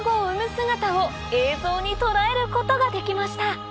姿を映像に捉えることができました